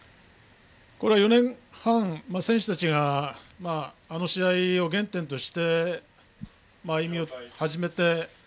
４年半、選手たちがあの試合を原点として歩み始めて。